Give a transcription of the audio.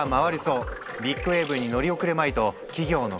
ビッグウエーブに乗り遅れまいと企業の競争が大激化！